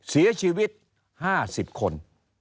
เสียชีวิต๕๐คน